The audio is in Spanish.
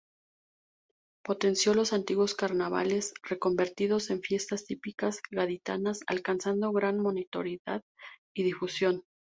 Potenció los antiguos carnavales, reconvertidos en Fiestas Típicas Gaditanas, alcanzando gran notoriedad y difusión.